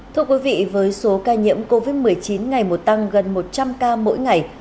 thưa quý vị với số ca nhiễm covid một mươi chín ngày một tăng gần một trăm linh ca mỗi ngày